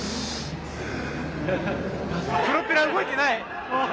プロペラ動いてない！